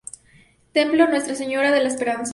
Templo Nuestra Sra, de la Esperanza.